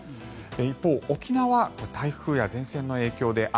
一方、沖縄は台風や前線の影響で雨。